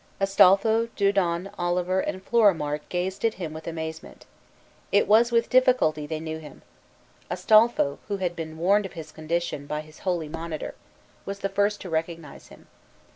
Astolpho, Dudon, Oliver, and Florimart gazed at him with amazement. It was with difficulty they knew him. Astolpho, who had been warned of his condition by his holy monitor, was the first to recognize him.